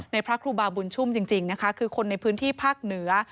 พระครูบาบุญชุ่มจริงนะคะคือคนในพื้นที่ภาคเหนือ